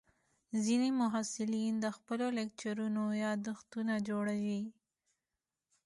ځینې محصلین د خپلو لیکچرونو یادښتونه جوړوي.